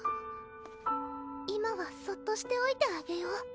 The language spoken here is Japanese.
今はそっとしておいてあげよう？